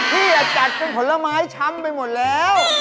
จัดเป็นผลไม้ช้ำไปหมดแล้ว